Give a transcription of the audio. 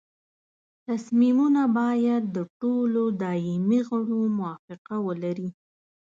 تصمیمونه باید د ټولو دایمي غړو موافقه ولري.